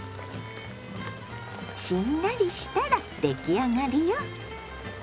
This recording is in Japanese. しんなりしたら出来上がりよ。